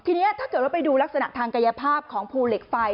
ทีนี้ถ้าเกิดว่าไปดูลักษณะทางกายภาพของภูเหล็กไฟ